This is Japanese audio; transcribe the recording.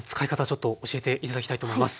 ちょっと教えて頂きたいと思います。